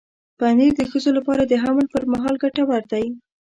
پنېر د ښځو لپاره د حمل پر مهال ګټور دی.